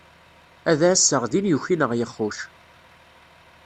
Ad ɛasseɣ din yuki naɣ yexxuc.